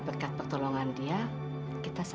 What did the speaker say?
ini satu orang satu